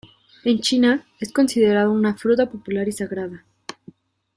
En China, es considerado una fruta popular y sagrada.